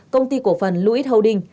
công ty cổ phần louis holding